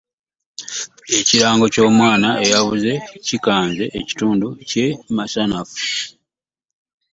Ekirango ky'omwana eyabuze, kikanze ekitundu kye masanafu.